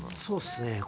そうっすね。